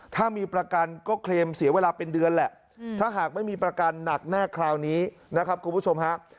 ถ้ามีประกันก็เคลมเสียเวลาเป็นเดือนแหละถ้าหากไม่มีประกันหนักแน่คราวนี้นะครับคุณผู้ชมฮะ